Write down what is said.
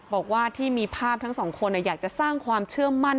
บอกว่าที่มีภาพทั้งสองคนอยากจะสร้างความเชื่อมั่น